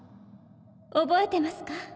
覚えてますか